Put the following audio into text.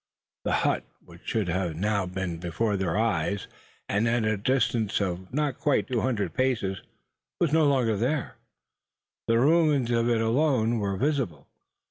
The hut, which should now have been before their eyes, and at a distance of not quite two hundred paces, was no longer there! The ruins of it alone were visible.